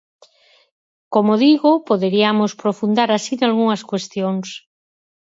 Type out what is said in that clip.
Como digo, poderiamos profundar así nalgunhas cuestións.